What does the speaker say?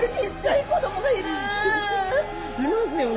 いますよね。